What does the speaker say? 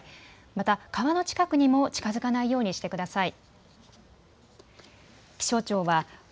また川の近くにも近づかないようにしてください。